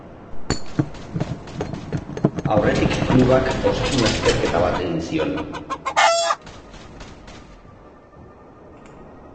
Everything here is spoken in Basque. Aurretik klubak osasun azterketa bat egin zion.